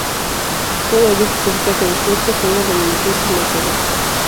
Todo ello justifica que "Los Cristos" tengan reminiscencias manchegas.